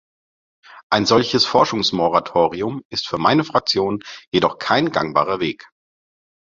Ein solches Forschungsmoratorium ist für meine Fraktion jedoch kein gangbarer Weg.